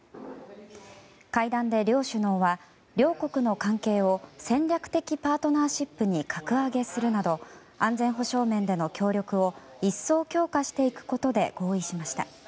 会談で両首脳は、両国の関係を戦略的パートナーシップに格上げするなど安全保障面での協力を一層強化していくことで合意しました。